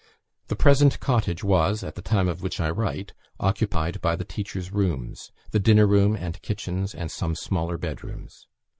The present cottage was, at the time of which I write, occupied by the teachers' rooms, the dinner room and kitchens, and some smaller bedrooms.